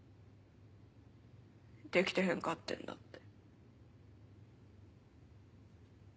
できてへんかってんなって。